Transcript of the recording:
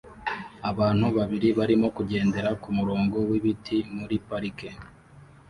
Abantu babiri barimo kugendera kumurongo wibiti muri parike